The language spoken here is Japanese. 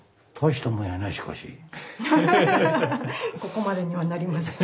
ここまでにはなりました。